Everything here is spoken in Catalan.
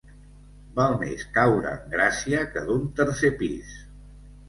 Val més caure en gràcia que d'un tercer pis.